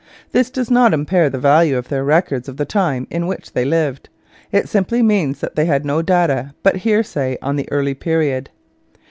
This does not impair the value of their records of the time in which they lived. It simply means that they had no data but hearsay on the early period.